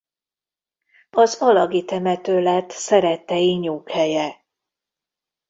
Az alagi temető lett szerettei nyughelye.